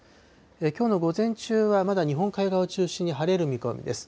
きょうの午前中は、まだ日本海側を中心に晴れる見込みです。